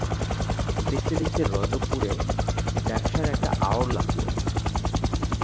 দেখতে দেখতে রজবপুরে ব্যাবসার একটা আওড় লাগল।